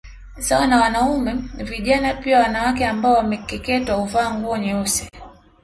Sawa na wanaume vijana pia wanawake ambao wamekeketewa huvaa nguo nyeusi